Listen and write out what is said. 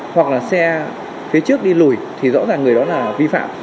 hoặc là xe phía trước đi lùi thì rõ ràng người đó là vi phạm